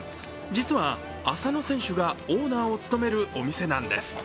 実は、浅野選手がオーナーを務めるお店なんです。